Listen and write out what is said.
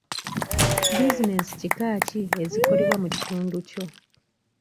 Bizinensi kika ki ezikolebwa mu kitundu ekyo?